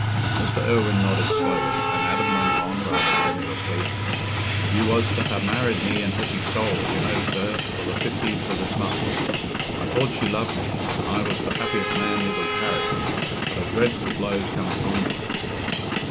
Mr. Irwine nodded slowly, and Adam went on rather tremulously, "You was t' ha' married me and Hetty Sorrel, you know, sir, o' the fifteenth o' this month. I thought she loved me, and I was th' happiest man i' the parish. But a dreadful blow's come upon me."